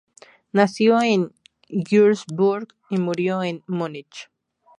Nació en Würzburg y murió en Múnich.